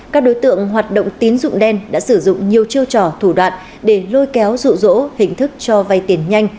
các đối tượng hoạt động tín dụng đen đã sử dụng nhiều chiêu trò thủ đoạn để lôi kéo rụ rỗ hình thức cho vay tiền nhanh